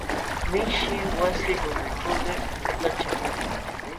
Mishi wasi lulinćhuumi ukuśhta chalaqlun.